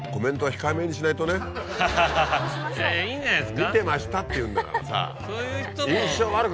見てましたって言うんだからさ。